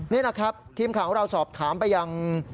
นี่นะครับทีมข่าวของเราสอบถามไปยัง